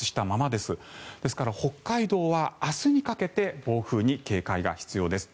ですから、北海道は明日にかけて暴風に警戒が必要です。